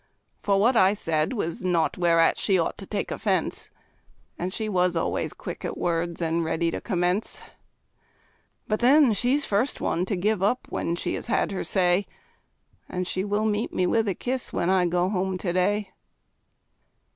For what I said was naught whereat she ought to take offense; And she was always quick at words and ready to commence. But then she's first one to give up when she has had her say; And she will meet me with a kiss, when I go home to day.